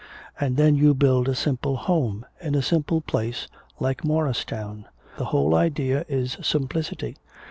And then you build a simple home, in a simple place like Morristown. The whole idea is simplicity.